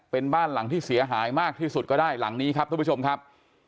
เป็นบ้านหลังที่เสียหายมากที่สุดก็ได้หลังนี้ครับทุกผู้ชมครับ